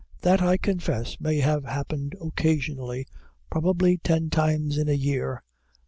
That I confess may have happened occasionally, probably ten times in a year.